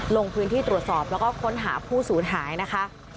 ลงพื้นที่ตรวจสอบแล้วก็ค้นหาผู้สูญหายนะคะ